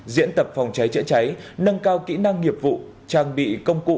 diễn tập phòng cháy chữa cháy nâng cao kỹ năng nghiệp vụ trang bị công cụ